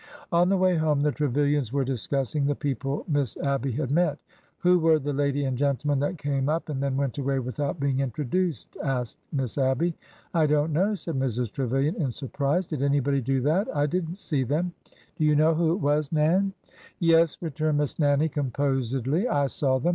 On the way home the Trevilians were discussing the peo ple Miss Abby had met. '' Who were the lady and gentleman that came up and then went away without being introduced ?" asked Miss Abby. '' I don't know," said Mrs. Trevilian, in surprise. '' Did anybody do that ? I did n't see them. Do you know who it was. Nan? " 46 ORDER NO. 11 "Yes/' returned Miss Nannie, composedly. "I saw them.